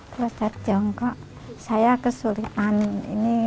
kloset jongkok saya kesulitan ini